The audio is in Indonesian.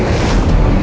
cara yang ter cows burn